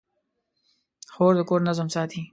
خور د کور نظم ساتي.